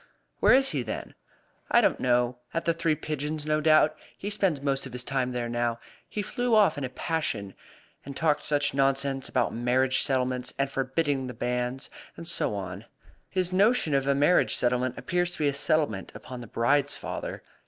"Where is he, then?" "I don't know. At the Three Pigeons, no doubt. He spends most of his time there now. He flew off in a passion, and talked such nonsense about marriage settlements, and forbidding the banns, and so on. His notion of a marriage settlement appears to be a settlement upon the bride's father.